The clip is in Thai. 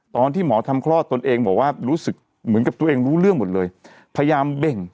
ตอนที่หมอทำคลอดตนเองบอกว่ารู้สึกเหมือนกับตัวเองรู้เรื่องหมดเลยพยายามเบ่ง